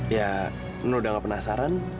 ya ini udah gak penasaran